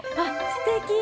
すてき。